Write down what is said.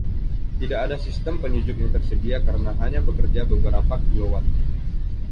Tidak ada sistem penyejuk yang tersedia karena hanya bekerja beberapa kilo watt.